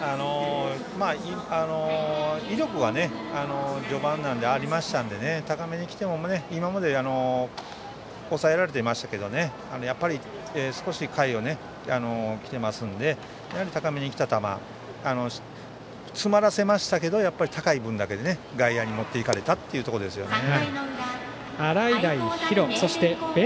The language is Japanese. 威力は序盤なのでありましたので高めにきても、今までは抑えられていましたがやっぱり少し回が来ていますのでやはり高めにきた球詰まらせましたけどやっぱり高い分だけ外野に持っていかれたところですね。